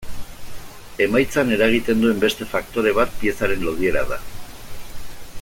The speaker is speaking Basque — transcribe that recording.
Emaitzan eragiten duen beste faktore bat piezaren lodiera da.